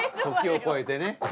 時を越えてね。